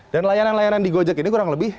dan layanan layanan di gojek ini kurang lebih